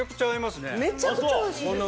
めちゃくちゃおいしいですよね。